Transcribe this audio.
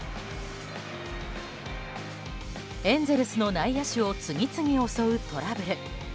エンゼルスの内野手を次々襲うトラブル。